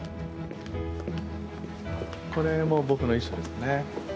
これも僕の衣装ですね。